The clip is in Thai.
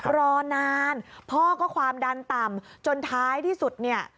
รอนานพ่อก็ความดันต่ำจนท้ายที่สุดเนี่ย